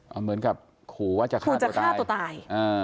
เหมือนกับขู่ว่าจะฆ่าจะฆ่าตัวตาย